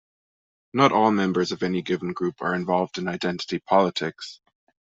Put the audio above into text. Not all members of any given group are involved in identity politics.